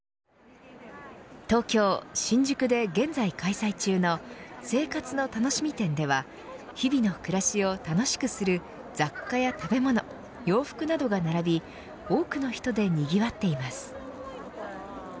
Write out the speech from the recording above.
東京、新宿で現在開催中の生活のたのしみ展では日々の暮らしを楽しくする雑貨や食べ物、洋服などが並び多くの人でにぎわっています。